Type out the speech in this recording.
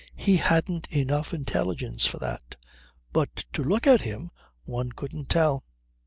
He hadn't enough intelligence for that. But to look at him one couldn't tell